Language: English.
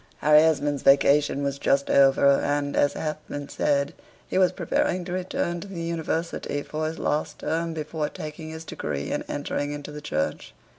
Harry Esmond's vacation was just over, and, as hath been said, he was preparing to return to the University for his last term before taking his degree and entering into the Church.